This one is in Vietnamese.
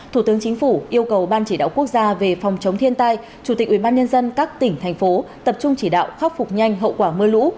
thủ tướng chính phủ yêu cầu ban chỉ đạo quốc gia về phòng chống thiên tai chủ tịch ubnd các tỉnh thành phố tập trung chỉ đạo khắc phục nhanh hậu quả mưa lũ